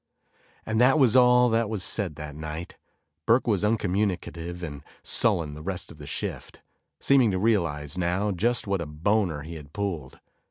And that was all that was said that night. Burke was uncommunicative and sullen the rest of the shift, seeming to realize now just what a boner he had pulled.